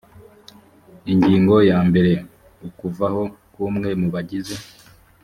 ingingo ya mbere ukuvaho kw umwe mu bagize